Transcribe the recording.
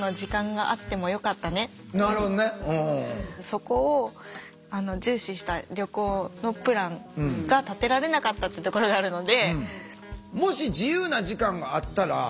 そこを重視した旅行のプランが立てられなかったってところがあるので。